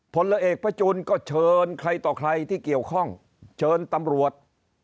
ผลเอกพระจุลก็เชิญใครต่อใครที่เกี่ยวข้องเชิญตำรวจ